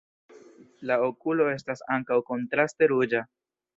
La okulo estas ankaŭ kontraste ruĝa.